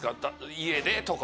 家でとか。